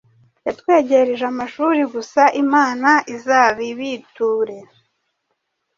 yatwegereje amashuri! Gusa Imana izabibiture!